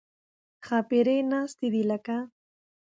ښاپېرۍ ناستې دي لکه